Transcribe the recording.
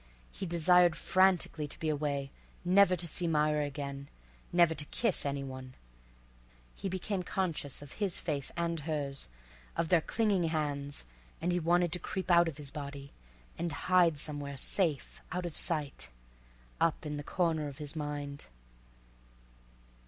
He desired frantically to be away, never to see Myra again, never to kiss any one; he became conscious of his face and hers, of their clinging hands, and he wanted to creep out of his body and hide somewhere safe out of sight, up in the corner of his mind.